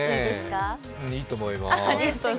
いいと思いまーす。